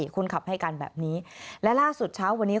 คนขับให้การแบบนี้และล่าสุดเช้าวันนี้